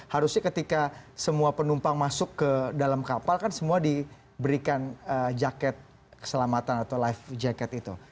harusnya ketika semua penumpang masuk ke dalam kapal kan semua diberikan jaket keselamatan atau life jacket itu